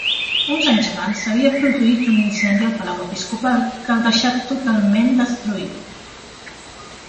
Uns anys abans s'havia produït un incendi al palau episcopal, que el deixà totalment destruït.